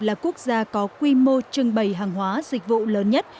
là quốc gia có quy mô trưng bày hàng hóa dịch vụ lớn nhất